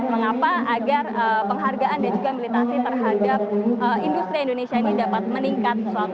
mengapa agar penghargaan dan juga militasi terhadap industri indonesia ini dapat meningkat